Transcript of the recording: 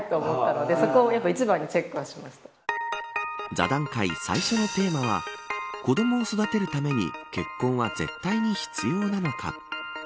座談会、最初のテーマは子どもを育てるために結婚は絶対に必要なのか。